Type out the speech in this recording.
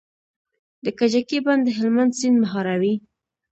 د کجکي بند د هلمند سیند مهاروي